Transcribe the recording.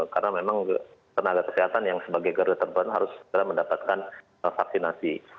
karena memang tenaga kesehatan yang sebagai garis terban harus mendapatkan vaksinasi